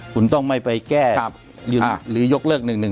คุณต้องไม่ไปแก้หยุดหรือยกเลิก๑๑๒